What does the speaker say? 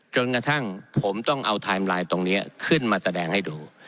จนกระทั่งผมต้องเอาไทม์ไลน์ตรงนี้ขึ้นมาแสดงให้ดู